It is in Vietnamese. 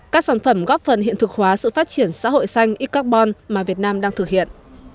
các sản phẩm góp phần hiện thực hóa sự phát triển xã hội xanh x carbon mà việt nam đang thực hiện